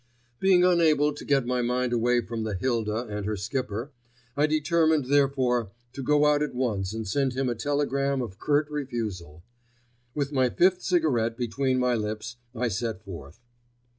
Being unable to get my mind away from the Hilda and her skipper, I determined, therefore, to go out at once and send him a telegram of curt refusal. With my fifth cigarette between my lips I set forth.